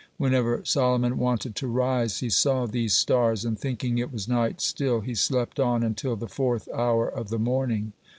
Whenever Solomon wanted to rise, he saw these stars, and thinking it was night still, he slept on until the fourth hour of the morning.